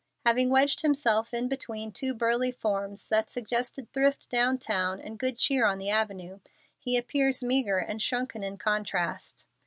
Having wedged himself in between two burly forms that suggested thrift down town and good cheer on the avenue, he appears meagre and shrunken in contrast.